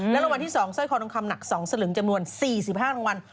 และรัวน์ที่๒เส้ยคอทองคำหนัก๒สลึงจำนวน๔๕รางวัล